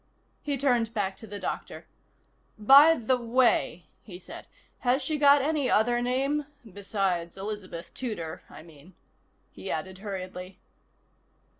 He turned back to the doctor. "By the way," he said. "Has she got any other name? Besides Elizabeth Tudor, I mean," he added hurriedly.